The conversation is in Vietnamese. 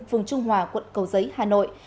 phường trung hòa quận cầu giấy hà nội